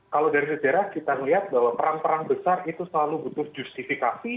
kalau dari sejarah kita melihat bahwa perang peran besar itu selalu butuh justifikasi